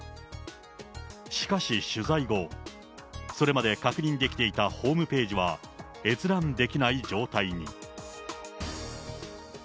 しかし、取材後、それまで確認できていたホームページは閲覧できない状態に。